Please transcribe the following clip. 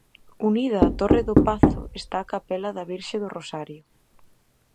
Unida á torre do pazo está a capela da Virxe do Rosario.